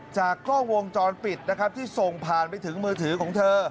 จากกล้องวงจรปิดนะครับที่ส่งผ่านไปถึงมือถือของเธอ